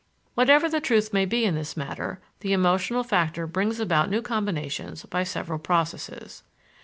Whatever the truth may be in this matter, the emotional factor brings about new combinations by several processes.